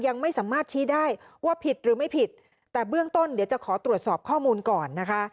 ยังไม่สามารถชี้ได้ว่าผิดหรือไม่ผิดแต่เบื้องต้นเดี๋ยวจะขอตรวจสอบข้อมูลก่อนนะคะ